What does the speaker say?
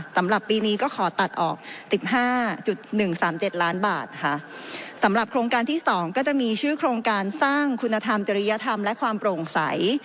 สำหรับปีนี้ก็ขอตัดออกสิบห้าจุดหนึ่งสามเจ็ดล้านบาทค่ะสำหรับโครงการที่สองก็จะมีชื่อโครงการสร้างคุณธรรมจริยธรรมและความโปร่งใส